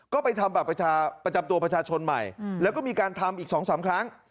ก็ไปทำบัตรประชาประจำตัวประชาชนใหม่แล้วก็มีการทำอีก๒๓ครั้ง